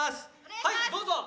はいどうぞ！